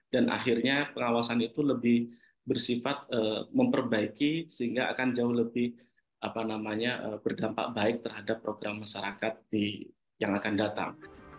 dan akhirnya pengawasan itu lebih bersifat memperbaiki sehingga akan jauh lebih berdampak baik terhadap program masyarakat yang akan datang